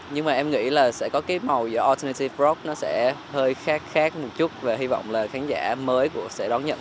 nhưng mà em nghĩ là sẽ có cái màu giữa alternative rock nó sẽ hơi khác khác một chút và hy vọng là khán giả mới sẽ đón nhận